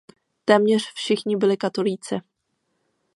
Téměř všichni byli katolíci.